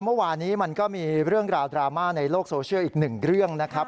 เมื่อวานี้มันก็มีเรื่องราวดราม่าในโลกโซเชียลอีกหนึ่งเรื่องนะครับ